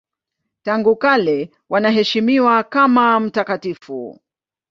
Tangu kale wanaheshimiwa kama mtakatifu.